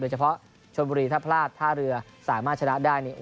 ปีเอทีบุรีถ้าพลาดถ้าเรือสามารถชนะได้